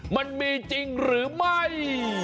มันมีจริงหรือไม่